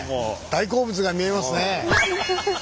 大好物が見えますね！